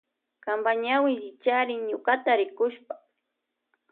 Kanpa ñawi llipyarin ñukata rikushpa.